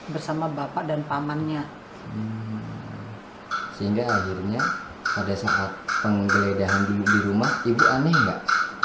bersama bapak dan pamannya sehingga akhirnya pada saat penggeledahan dulu di rumah ibu ani mbak